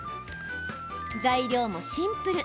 材料もシンプル。